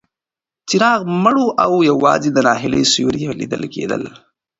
څراغ مړ و او یوازې د ناهیلۍ سیوري لیدل کېدل.